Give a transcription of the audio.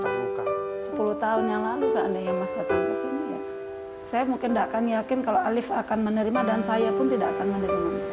sepuluh tahun yang lalu seandainya mas datang ke sini ya saya mungkin tidak akan yakin kalau alif akan menerima dan saya pun tidak akan menerima